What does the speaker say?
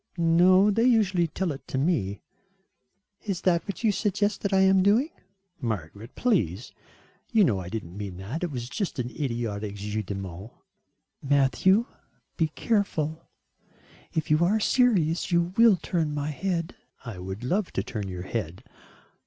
"No, they usually tell it to me." "Is that what you suggest that I am doing?" "Margaret, please. You know I didn't mean that. It was just an idiotic jeu de mots." "Matthew, be careful; if you are serious you will turn my head." "I would love to turn your head."